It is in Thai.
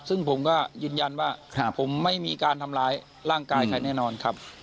ซึ่งผมก็ยืนยันว่าผมไม่มีการทำร้ายร่างกายใครแน่นอนครับ